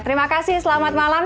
terima kasih selamat malam